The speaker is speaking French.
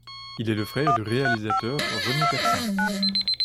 Il est le frère du réalisateur René Persin.